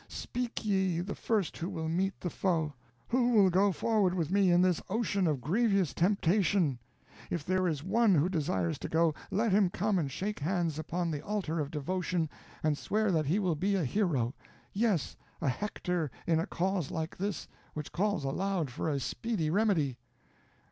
Speak ye, the first who will meet the foe! Who will go forward with me in this ocean of grievous temptation? If there is one who desires to go, let him come and shake hands upon the altar of devotion, and swear that he will be a hero; yes, a Hector in a cause like this, which calls aloud for a speedy remedy."